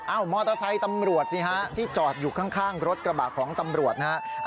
มอเตอร์ไซค์ตำรวจสิฮะที่จอดอยู่ข้างรถกระบะของตำรวจนะครับ